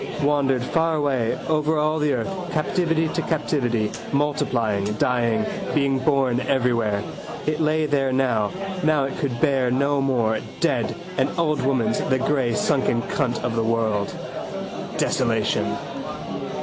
Wandered far away over all the earth, captivity to captivity, multiplying, dying, being born everywhere. It lay there now. Now it could bear no more. Dead: an old woman's: the grey sunken cunt of the world. Desolation.